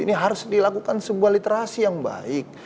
ini harus dilakukan sebuah literasi yang baik